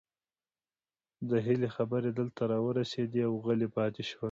د هيلې خبرې دلته راورسيدې او غلې پاتې شوه